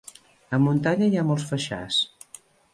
A muntanya hi ha molts feixars.